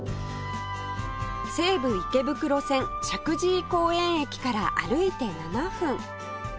西武池袋線石神井公園駅から歩いて７分